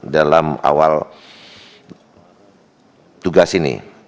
dalam awal tugas ini